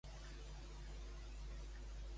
M'encanta aquesta cançó, recorda-ho.